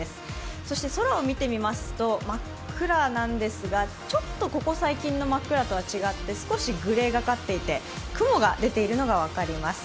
そして空を見てみますと真っ暗なんですがちょっとここ最近の真っ暗とは違って少しグレーがかっていて、雲が出ているのが分かります。